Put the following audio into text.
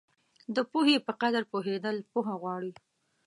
د پوهې په قدر پوهېدل پوهه غواړي.